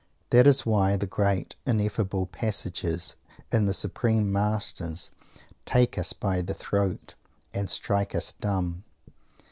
That is why the great ineffable passages in the supreme masters take us by the throat and strike us dumb.